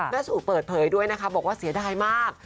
สู่เปิดเผยด้วยนะคะบอกว่าเสียดายมาก